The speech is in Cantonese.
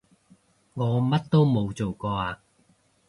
我乜都冇做過啊